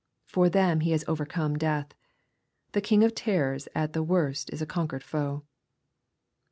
For them He has overcome death. The king of terrors at the worst is a conquered foe.